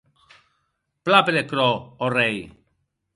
Plan per aquerò, ò rei!